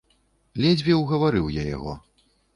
Ледзьве угаварыў я яго.